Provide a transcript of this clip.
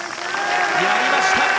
やりました！